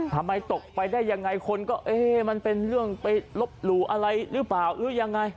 ทำไมตกไปได้ยังไงคนก็เอ๊ะมันเป็นเรื่องไปลบหลู่อะไรหรือเปล่าหรือยังไง